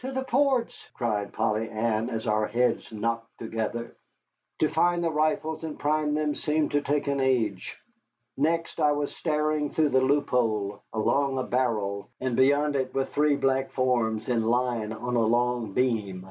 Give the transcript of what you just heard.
"To the ports!" cried Polly Ann, as our heads knocked together. To find the rifles and prime them seemed to take an age. Next I was staring through the loophole along a barrel, and beyond it were three black forms in line on a long beam.